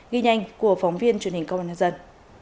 ghi nhanh của phóng viên truyền hình công an nhân dân